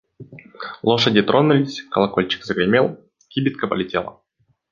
Лошади тронулись, колокольчик загремел, кибитка полетела…